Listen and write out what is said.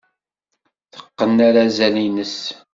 Teqqen arazal-nnes.